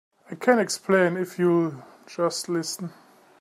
I can explain if you'll just listen.